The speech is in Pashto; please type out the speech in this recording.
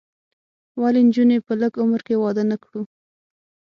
ولې نجونې په لږ عمر کې واده نه کړو؟